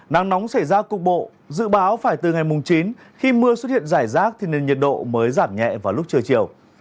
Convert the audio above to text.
nắng nóng xảy ra cục bộ dự báo phải từ ngày mùng chín khi mưa xuất hiện rải rác thì nền nhiệt độ mới giảm nhẹ vào lúc trưa chiều